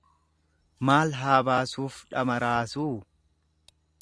Maal haa baasuuf dhama raasuu.